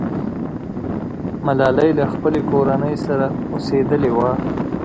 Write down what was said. ملالۍ له خپلې کورنۍ سره اوسېدلې وه.